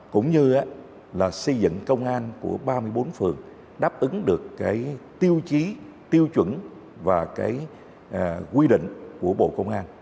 cũng như là xây dựng công an của ba mươi bốn phường đáp ứng được tiêu chí tiêu chuẩn và quy định của bộ công an